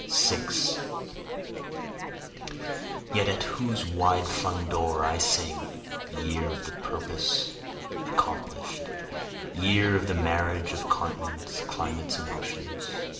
6 Year at whose wide flung door I sing! Year of the purpose accomplish'd! Year of the marriage of continents, climates and oceans!